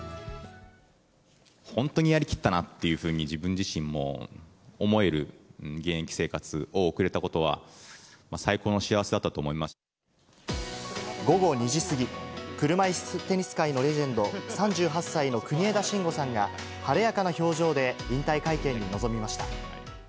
本当にやり切ったなっていうふうに、自分自身も思える現役生活を送れたことは、午後２時過ぎ、車いすテニス界のレジェンド、３８歳の国枝慎吾さんが、晴れやかな表情で引退会見に臨みました。